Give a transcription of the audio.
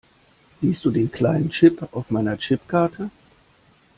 Siehst du den kleinen Chip auf meiner Chipkarte?